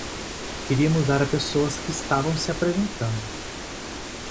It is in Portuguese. Queríamos dar a pessoas que estavam se apresentando.